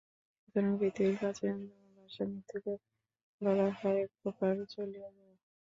সুতরাং পৃথিবীর প্রাচীনতম ভাষায় মৃত্যুকে বলা হয়, একপ্রকার চলিয়া যাওয়া।